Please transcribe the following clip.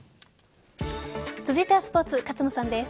続いてはスポーツ勝野さんです。